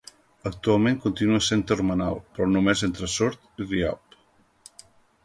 Actualment continua sent termenal, però només entre Sort i Rialp.